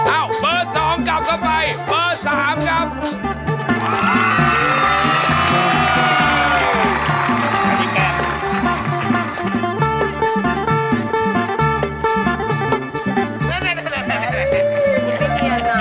อ้าวเบอร์สองกลับเข้าไปเบอร์สามกลับ